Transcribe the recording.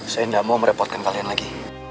saya tidak mau merepotkan kalian lagi